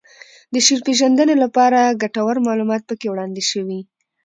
د شعر پېژندنې لپاره ګټور معلومات پکې وړاندې شوي